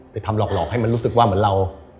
ทำหลอกให้มันรู้สึกว่าเหมือนเรา